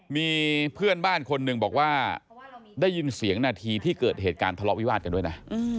มีเพื่อนบ้านคนหนึ่งบอกว่าได้ยินเสียงนาทีที่เกิดเหตุการณ์ทะเลาะวิวาสกันด้วยนะ